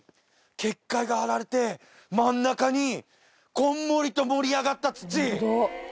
結界が張られて真ん中にこんもりと盛り上がった土。